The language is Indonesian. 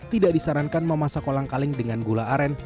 tidak disarankan memasak kolang kaling dengan gula aren